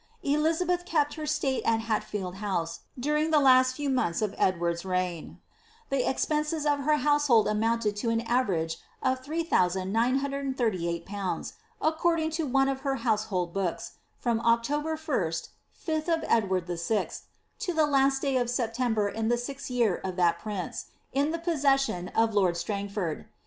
Elizabeth kept her sUite at Hatfield House during the last few months of Edward's reign. The expenses of her household amounted to an average of 3938/. according to one of her household books, from Oc tober 1st, 5th of Edward VI., to the last day of September in the 6th year of that prince, in the possession of lord Strangford.